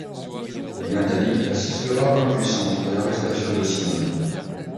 Nathalie assistera impuissante à l'arrestation de Simone.